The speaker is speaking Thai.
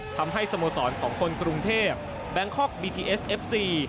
สโมสรของคนกรุงเทพแบงคอกบีทีเอสเอฟซี